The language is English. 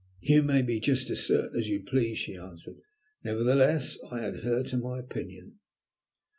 "You may be just as certain as you please," she answered. "Nevertheless, I adhere to my opinion."